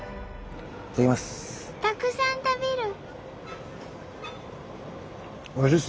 たくさん食べる！